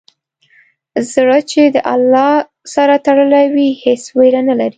زړه چې له الله سره تړلی وي، هېڅ ویره نه لري.